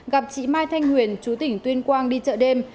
gặp chị mai thanh huyền chú tỉnh tuyên quang đi chợ đêm